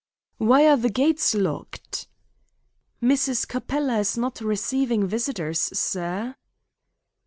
"Why are the gates locked?" "Mrs. Capella is not receiving visitors, sir."